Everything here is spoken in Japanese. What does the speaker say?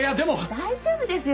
大丈夫ですよ